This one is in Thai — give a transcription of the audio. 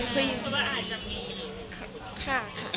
คุยค่ะ